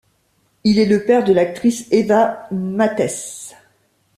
Il est le père de l'actrice Eva Mattes.